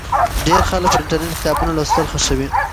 ډیر خلک پر انټرنېټ کتابونه لوستل خوښوي.